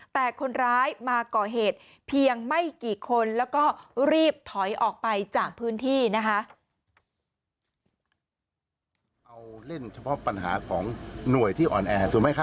แต่คนร้ายมาก่อเหตุเพียงไม่กี่คนแล้วก็รีบถอยออกไปจากพื้นที่นะคะ